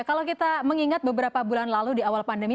kalau kita mengingat beberapa bulan lalu di awal pandemi